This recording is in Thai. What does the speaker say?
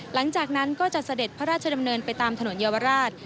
หลังจากนั้นก็จะเสด็จพระราชดำเนินไปตามถนนเยาวราช